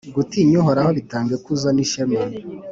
Gutinya Uhoraho bitanga ikuzo n’ishema,